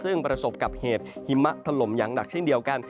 ซึ่งประสบกับเหตุหิมะถล่มอย่างหนักเช่นเดียวกัน